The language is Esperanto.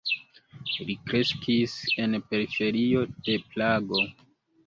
Li kreskis en periferio de Prago.